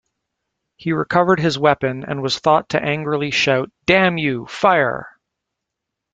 He recovered his weapon, and was thought to angrily shout Damn you, fire!